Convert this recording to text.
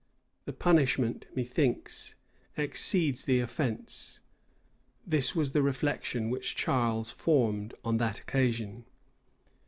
"The punishment, methinks, exceeds the offence:" this was the reflection which Charles formed on that occasion.